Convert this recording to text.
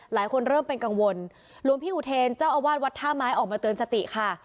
หลายคนเริ่มเป็นกังวลหลวงพี่อุเทรนเจ้าอาวาสวัดท่าไม้ออกมาเตือนสติค่ะ